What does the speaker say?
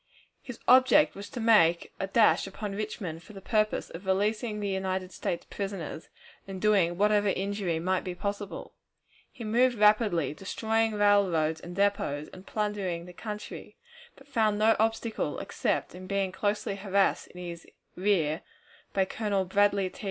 His object was to make a dash upon Richmond for the purpose of releasing the United States prisoners, and doing whatever injury might be possible. He moved rapidly, destroying railroads and depots, and plundering the country, but found no obstacle except in being closely harassed in his rear by Colonel Bradley T.